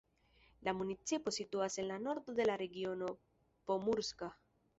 La municipo situas en la nordo de la regiono Pomurska.